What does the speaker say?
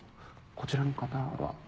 こちらの方は？